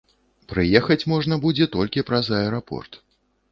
Прыехаць можна будзе толькі праз аэрапорт.